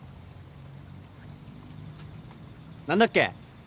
何だっけ？